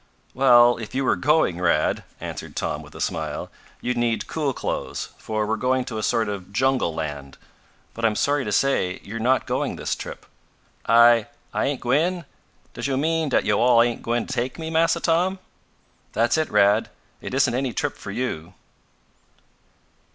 "Well, if you were going, Rad," answered Tom with a smile, "you'd need cool clothes, for we're going to a sort of jungle land. But I'm sorry to say you're not going this trip." "I I ain't gwine? Does yo' mean dat yo' all ain't gwine to take me, Massa Tom?" "That's it, Rad. It isn't any trip for you."